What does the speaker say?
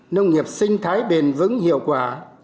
nông nghiệp sinh thái bền vững hiệu quả